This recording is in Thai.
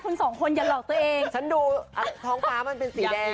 คุณสองคนอย่าหลอกตัวเองฉันดูท้องฟ้ามันเป็นสีแดง